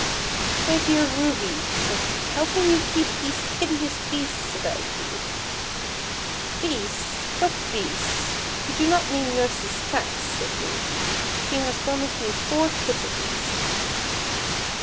" My dear Ruby," said he, " how can you keep these hideous little beasts about you }"" Beasts ! what beasts ! you do not mean nurse's cats," said Ruby ;" she has promised me four kittens."